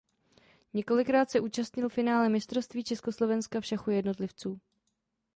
Několikrát se účastnil finále Mistrovství Československa v šachu jednotlivců.